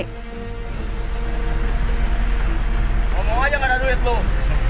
ngomong aja gak ada duit loh